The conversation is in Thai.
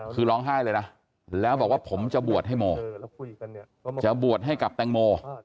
คือร้องไห้เลยนะแล้วบอกว่าผมจะบวชให้โมจะบวชให้กับแตงโม